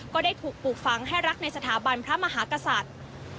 ก็ได้ถูกปลูกฝังให้รักในสถาบันพระมหากษัตริย์